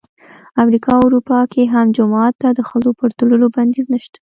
امریکا او اروپا کې هم جومات ته د ښځو پر تلو بندیز نه شته.